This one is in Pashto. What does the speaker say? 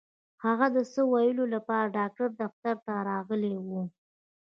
هغه د څه ويلو لپاره د ډاکټر دفتر ته راغلې وه.